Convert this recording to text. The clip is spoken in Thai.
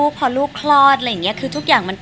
ใช้รูปหากอยู่ใกล้